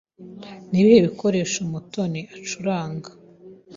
Ni ibihe bikoresho Mutoni acuranga?